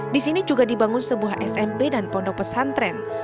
di sini juga dibangun sebuah smp dan pondok pesantren